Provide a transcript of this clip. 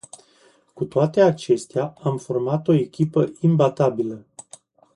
Cu toate acestea, am format o echipă imbatabilă.